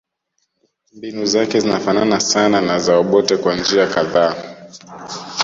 Mbinu zake zinafanana sana na za Obote kwa njia kadhaa